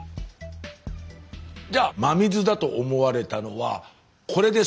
じゃあ真水だと思われたのはこれです。